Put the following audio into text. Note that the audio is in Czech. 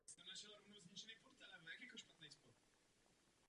To jsou skupiny, jež skutečně potřebují naši pomoc.